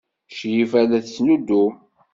Crifa la tettnuddum.